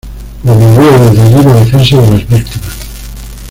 Promovió desde allí la defensa de las víctimas.